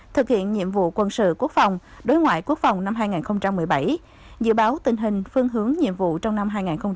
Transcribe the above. thực hiện nhiệm vụ quân sự quốc phòng đối ngoại quốc phòng năm hai nghìn một mươi bảy dự báo tình hình phương hướng nhiệm vụ trong năm hai nghìn hai mươi